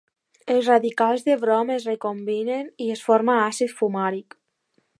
Els radicals de brom es recombinen i es forma àcid fumàric.